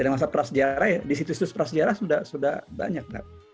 ada masa prasejarah ya di situs situs prasejarah sudah banyak